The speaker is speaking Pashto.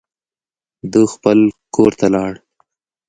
ده خپل کور ته لاړ.